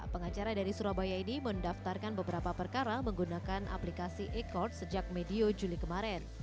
pengacara dari surabaya ini mendaftarkan beberapa perkara menggunakan aplikasi e court sejak medio juli kemarin